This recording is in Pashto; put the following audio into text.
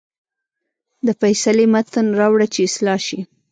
د فیصلې متن راوړه چې اصلاح شي.